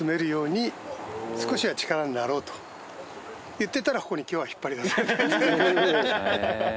言ってたらここに今日は引っ張り出された。